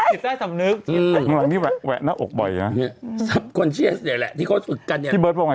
อีซ่าสำนึกหลังที่แวะหน้าอกบ่อยนะที่เขาฝึกกันอย่างนี้